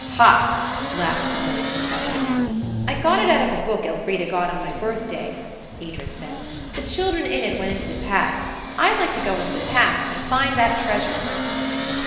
"Ha!" laughed the mole contemptuously. "I got it out of a book Elfrida got on my birthday," Edred said. "The children in it went into the past. I'd like to go into the past–and find that treasure!"